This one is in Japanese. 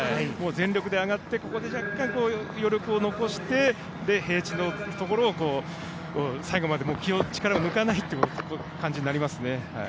全力で上がって、若干、余力を残して平地のところを最後まで力を抜かないっていう感じになりますね。